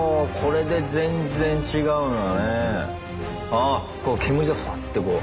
あっ煙がフワッてこう。